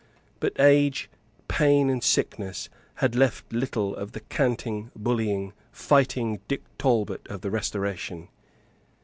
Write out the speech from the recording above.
But age, pain and sickness had left little of the canting, bullying, fighting Dick Talbot of the Restoration.